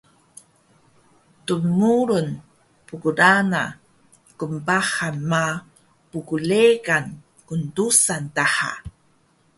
dmurun pkrana knpahan ma pbleqan kndusan daha